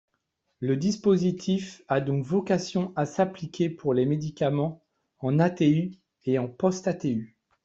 Le dispositif a donc vocation à s’appliquer pour les médicaments en ATU et post-ATU.